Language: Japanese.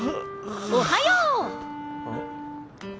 おはよう。